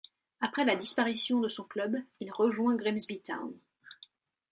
Après la disparition de son club, il rejoint Grimsby Town.